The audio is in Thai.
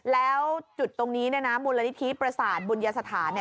แล้วจุดตรงนี้มูลนิธิประสาทบุญยสถาน